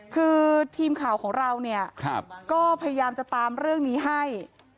คือทีมข่าวของเราเนี่ยก็พยายามจะตามเรื่องนี้ให้